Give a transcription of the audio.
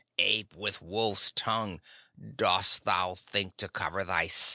"Ape with a wolf's tongue, dost thou think to cover thy scent?"